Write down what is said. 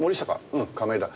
うん亀井だ。